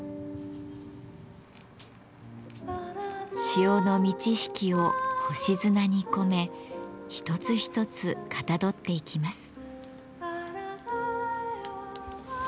潮の満ち引きを星砂に込め一つ一つかたどっていきます。